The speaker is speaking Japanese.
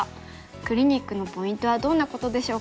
クリニックのポイントはどんなことでしょうか。